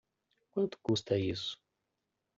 Quanto custa isso?